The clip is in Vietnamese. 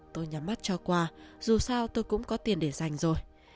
tôi nhắm mắt cho qua dù sao tôi cũng có tiền để dành rồi